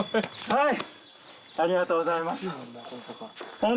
はい。